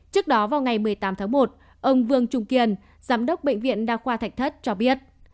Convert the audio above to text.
trước đó vào ngày một mươi tám tháng một ông vương trung kiên giám đốc bệnh viện đa khoa thạch thất cho biết